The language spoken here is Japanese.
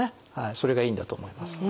それがいいんだと思います。